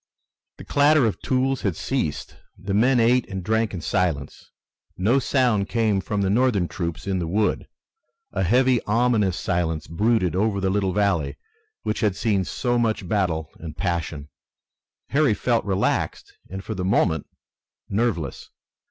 The clatter of tools had ceased. The men ate and drank in silence. No sound came from the Northern troops in the wood. A heavy, ominous silence brooded over the little valley which had seen so much battle and passion. Harry felt relaxed and for the moment nerveless.